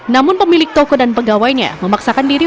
namun pemilik toko dan pegawainya memaksakan diri